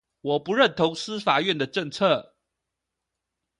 我不認同司法院的政策